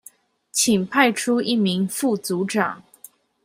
請派出一名副組長